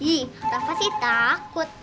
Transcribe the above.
ih rafa sih takut